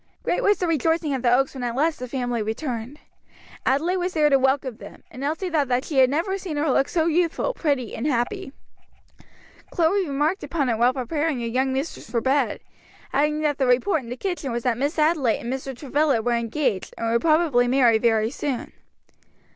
Great was the rejoicing at the Oaks when at last the family returned. Adelaide was there to welcome them, and Elsie thought she had never seen her look so youthful, pretty, and happy, Chloe remarked upon it while preparing her young mistress for bed, adding that the report in the kitchen was that Miss Adelaide and Mr. Travilla were engaged, and would probably marry very soon.